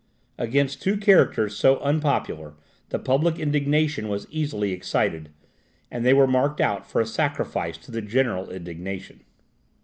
Against two characters so unpopular the public indignation was easily excited, and they were marked out for a sacrifice to the general indignation.